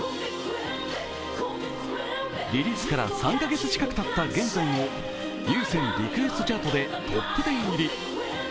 リリースから３カ月近くたった現在も有線リクエストチャートでトップ１０入り。